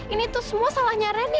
ini tuh semua salahnya reni